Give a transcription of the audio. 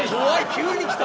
急にきた。